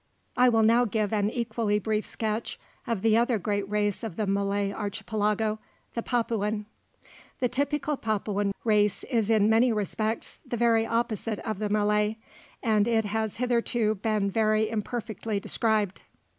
I will now give an equally brief sketch of the other great race of the Malay Archipelago, the Papuan. The typical Papuan race is in many respects the very opposite of the Malay, and it has hitherto been very imperfectly described.